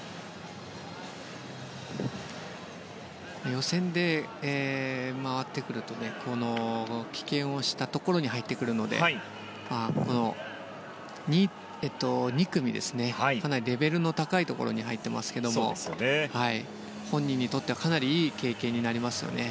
予選で上がってくると棄権をしたところに入ってくるので２組、かなりレベルの高いところに入っていますが本人にとってはかなりいい経験になりますよね。